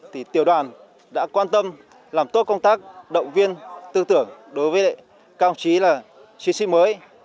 thì tiểu đoàn đã quan tâm làm tốt công tác động viên tư tưởng đối với các ông chí là chiến sĩ mới